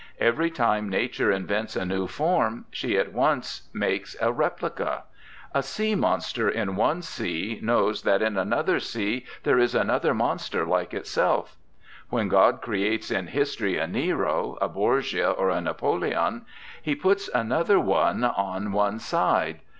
Every time Nature invents a new form she at once makes a replica. A sea monster in one sea knows that in another sea there is another monster like itself. When God creates in history a Nero, a Borgia or a Napoleon He puts another one on one side.